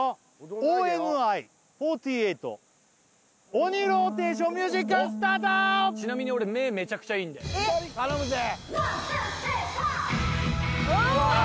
ＯＮＩ４８「オニーローテーション」ミュージックスタートちなみに俺目めちゃくちゃいいんで頼むぜわあ